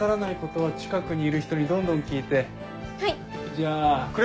はい！